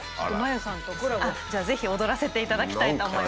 ぜひ踊らせていただきたいと思います。